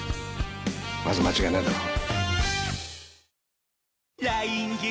まず間違いないだろう。